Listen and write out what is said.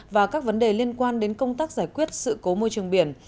và các vấn đề liên quan đến công tác giải quyết sự cố môi trường biển